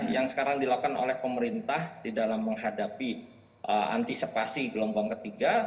yang sekarang dilakukan oleh pemerintah di dalam menghadapi antisipasi gelombang ketiga